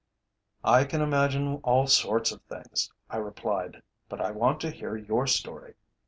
"I can imagine all sorts of things," I replied. "But I want to hear your story.